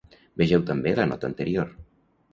Vegeu també la nota anterior.